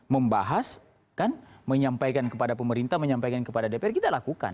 membahas kan menyampaikan kepada pemerintah menyampaikan kepada dpr kita lakukan